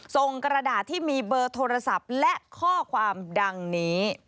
กระดาษที่มีเบอร์โทรศัพท์และข้อความดังนี้